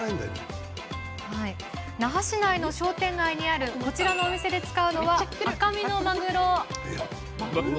那覇市内の商店街にあるこちらのお店で使うのは赤身のマグロ。